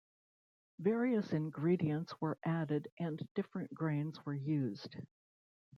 Various ingredients were added and different grains were used.